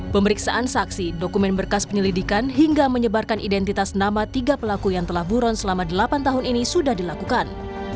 pemeriksaan saksi dokumen berkas penyelidikan hingga menyebarkan identitas nama tiga pelaku yang telah buron selama delapan tahun ini sudah dilakukan